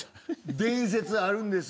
伝説あるんです